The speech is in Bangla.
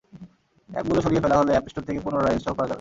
অ্যাপগুলো সরিয়ে ফেলা হলে অ্যাপ স্টোর থেকে পুনরায় ইনস্টল করা যাবে।